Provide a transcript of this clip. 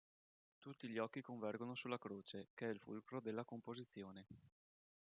Tutti gli occhi convergono sulla croce, che è il fulcro della composizione.